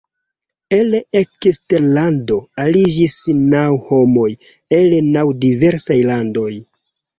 El eksterlando aliĝis naŭ homoj el naŭ diversaj landoj.